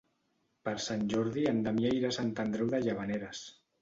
Per Sant Jordi en Damià irà a Sant Andreu de Llavaneres.